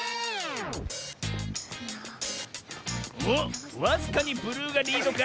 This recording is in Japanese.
おっわずかにブルーがリードか？